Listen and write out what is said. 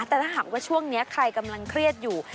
แต่ถ้าหากว่าช่วงนี้ใครกำลังเครียดอยู่